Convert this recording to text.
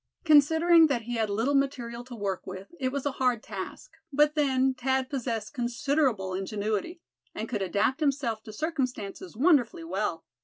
Considering that he had little material to work with, it was a hard task; but then, Thad possessed considerable ingenuity; and could adapt himself to circumstances wonderfully well.